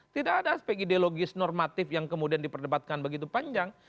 tidak ada aspek ideologis normatif yang kemudian diperdebatkan begitu panjang